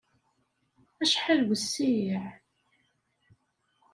Acḥal wessiɛ!